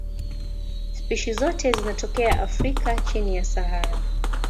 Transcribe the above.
Spishi zote zinatokea Afrika chini ya Sahara.